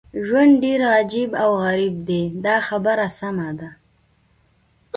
ژوند ډېر عجیب او غریب دی دا خبره سمه ده.